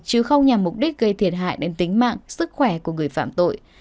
chứ không nhằm mục đích gây thiệt hại đến tính mạng sức khỏe của người phạm tội